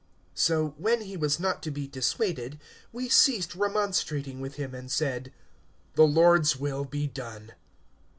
021:014 So when he was not to be dissuaded, we ceased remonstrating with him and said, "The Lord's will be done!"